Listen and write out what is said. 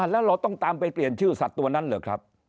แล้วเราต้องตามไปเปลี่ยนชื่อสัตว์ตัวนั้นเหรอครับ